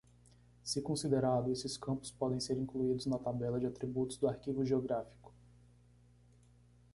Se considerado, esses campos podem ser incluídos na tabela de atributos do arquivo geográfico.